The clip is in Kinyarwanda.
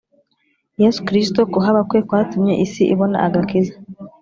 yesu kristo kuhaba kwe kwatumye isi ibona agakiza